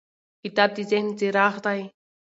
کتاب د ذهن څراغ دی.